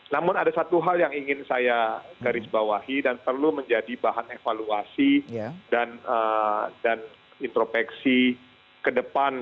namun ada satu hal yang ingin saya garis bawahi dan perlu menjadi bahan evaluasi dan intropeksi ke depan